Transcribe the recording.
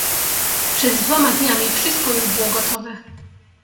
"Przed dwoma dniami wszystko już było gotowe."